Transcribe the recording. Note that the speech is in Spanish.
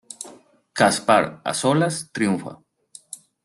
Caspar, a solas, triunfa.